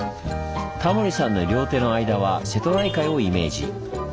タモリさんの両手の間は瀬戸内海をイメージ。